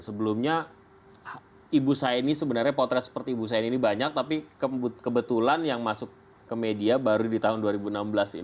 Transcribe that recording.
sebelumnya ibu saini sebenarnya potret seperti ibu saini ini banyak tapi kebetulan yang masuk ke media baru di tahun dua ribu enam belas ini